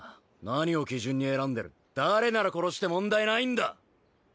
何を基準に選んでる誰なら殺して問題ないんだ？